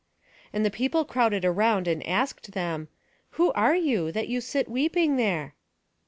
And the people crowded round, and asked them, "Who are you, that you sit weeping here?"